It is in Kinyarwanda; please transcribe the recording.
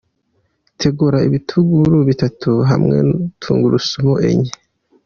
Tegura ibitunguru bitatu hamwe na tungurusumu enye.